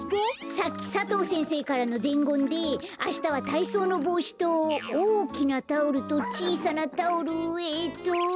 さっき佐藤先生からのでんごんであしたはたいそうのぼうしとおおきなタオルとちいさなタオルえっと。